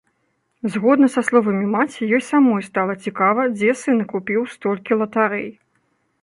Згодна са словамі маці, ёй самой стала цікава, дзе сын купіў столькі латарэй.